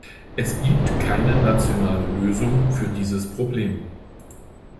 Es gibt keine nationale Lösung für dieses Problem.